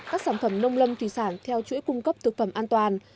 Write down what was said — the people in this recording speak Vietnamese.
các sản phẩm nông lâm thủy sản theo chuỗi cung cấp thực phẩm an toàn